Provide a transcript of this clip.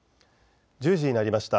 １０時になりました。